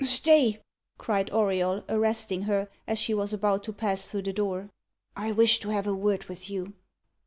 "Stay!" cried Auriol, arresting her, as she was about to pass through the door. "I wish to have a word with you."